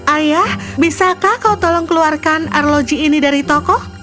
ayah bisakah kau tolong keluarkan arloji ini dari tokoh